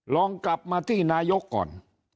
ลองกลับมาที่นายกก่อน